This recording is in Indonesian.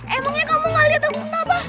emangnya kamu gak liat aku kenapa